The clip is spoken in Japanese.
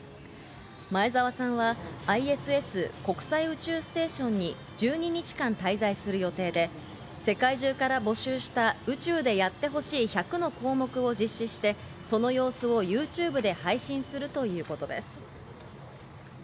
前澤さんはＩＳＳ＝国際宇宙ステーションに１２日間滞在する予定で、世界中から募集した宇宙でやってほしい１００の項目を実施して、その様子をＹｏｕＴｕｂｅで配信するということです。